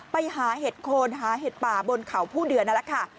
ไปหาเห็ดโคนหาเห็ดป่าบนเขาผู้เดือนนั่นแหละค่ะ